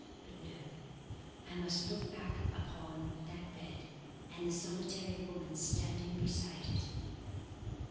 But no, I must look back upon that bed and the solitary woman standing beside it!